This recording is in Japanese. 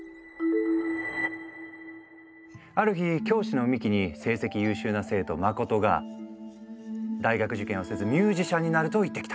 ある日教師の三木に成績優秀な生徒真が大学受験はせずミュージシャンになると言ってきた。